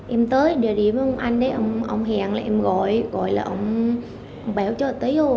em tới để đi với ông anh ông hẹn là em gọi gọi là ông báo cho tới rồi